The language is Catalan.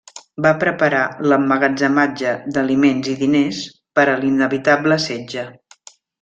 Va preparar l'emmagatzematge d'aliments i diners per a l'inevitable setge.